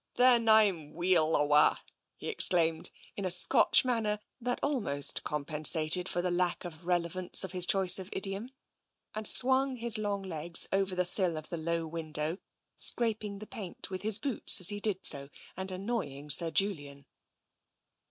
" Then Fm weel awa'," he exclaimed, in a Scotch manner that almost compensated for the lack of rele vance in his choice of idiom, and swung his long legs over the sill of the low window, scraping the paint with his boots as he did so and annoying Sir Julian.